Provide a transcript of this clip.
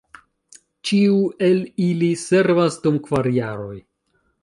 Ĉiu el ili servas dum kvar jaroj.